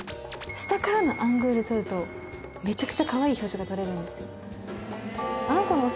下からのアングルで撮るとめちゃくちゃカワイイ表情が撮れるんですよ